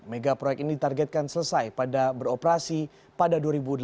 mega proyek ini ditargetkan selesai pada beroperasi pada dua ribu delapan belas